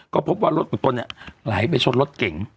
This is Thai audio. ก็พบว่ารถของตนเนี่ยไหลไปชนรถเก๋ง